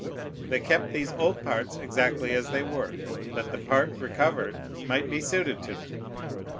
They kept these old parts exactly as they were, that the part recovered might be suited to them.